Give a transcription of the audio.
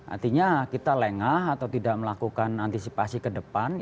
artinya kita lengah atau tidak melakukan antisipasi ke depan